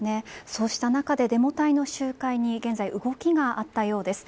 そうした中で、デモ隊の集会に動きがあったようです。